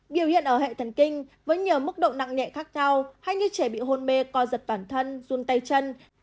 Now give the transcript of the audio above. biểu hiện ở hệ thần kinh với nhiều mức độ nặng nhẹ khác nhau hay như trẻ bị hôn mê co giật bản thân run tay chân